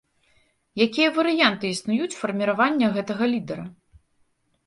Якія варыянты існуюць фарміравання гэтага лідара?